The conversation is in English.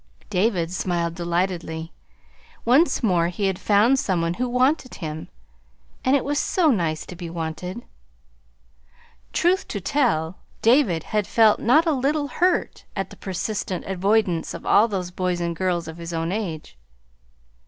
David smiled delightedly; once more he had found some one who wanted him and it was so nice to be wanted! Truth to tell, David had felt not a little hurt at the persistent avoidance of all those boys and girls of his own age.